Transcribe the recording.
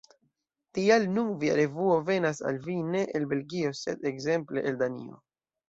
Tial nun via revuo venas al vi ne el Belgio sed ekzemple el Danio.